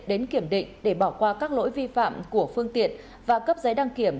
đến kiểm định để bỏ qua các lỗi vi phạm của phương tiện và cấp giấy đăng kiểm